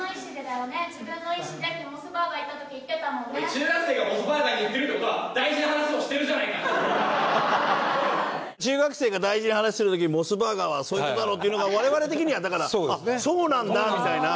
中学生が大事な話する時にモスバーガーはそういう事だろっていうのが我々的にはだからあっそうなんだみたいな。